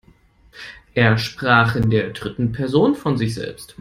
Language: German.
Er sprach in der dritten Person von sich selbst.